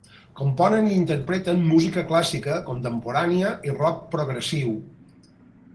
Componen i interpreten música clàssica contemporània i rock progressiu.